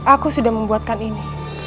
aku sudah membuatkan ini